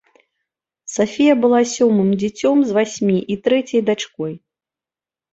Сафія была сёмым дзіцем з васьмі і трэцяй дачкой.